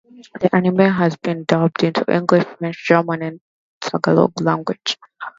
The anime has been dubbed into English, French, German and the Tagalog language.